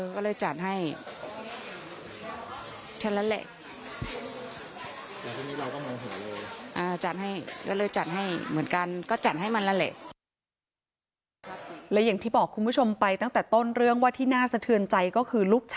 ก็เลยตามให้ตามคำขอ